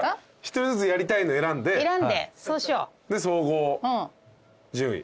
１人ずつやりたいの選んでで総合順位。